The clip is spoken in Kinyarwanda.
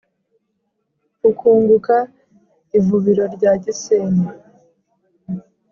ukwunguka ivubiro rya gisenyi